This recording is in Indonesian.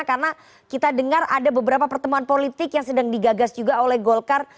karena kita dengar ada beberapa pertemuan politik yang sedang digagas juga oleh golkar